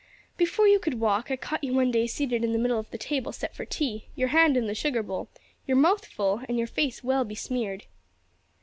"Before you could walk I caught you one day seated in the middle of the table set for tea, your hand in the sugar bowl, your mouth full and your face well besmeared.